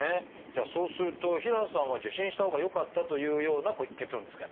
じゃあそうすると平野さんは受診したほうがよかったというような結論ですか？